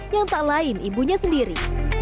yang tak lain ibunya sendiri